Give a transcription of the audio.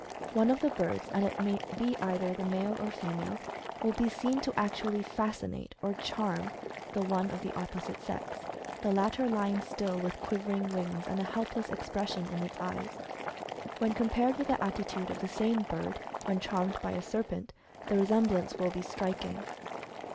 One of the birds, and it may be either a male or female, will be seen to actually "fascinate" or "charm" the one of the opposite sex, the latter lying still with quivering wings, and a helpless expression in its eyes. When compared with the attitude of the same bird, when charmed by a serpent, the resemblance will be striking.